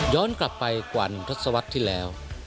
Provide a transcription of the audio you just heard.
กลับไปกว่า๑ทศวรรษที่แล้ว